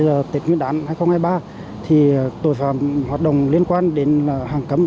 là tết nguyên đán hai nghìn hai mươi ba thì tội phạm hoạt động liên quan đến hàng cấm